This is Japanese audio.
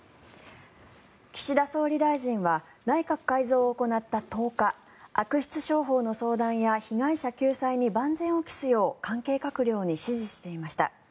岸田総理大臣は内閣改造を行った１０日悪質商法の相談や被害者救済に万全を期すよう関係閣僚に指示していました。